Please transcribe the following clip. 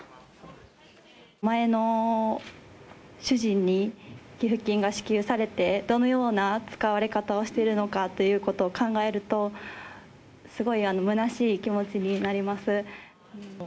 前の主人に給付金が支給されて、どのような使われ方をしているのかということを考えると、すごいむなしい気持ちになります。